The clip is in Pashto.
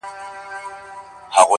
د شگو بند اوبه وړي.